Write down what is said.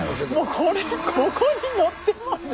これここに乗ってまで。